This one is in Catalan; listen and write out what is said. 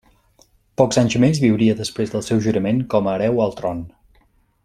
Pocs anys més viuria després del seu jurament com a hereu al tron.